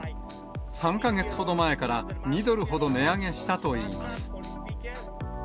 ３か月ほど前から２ドルほど値上げしたといいます。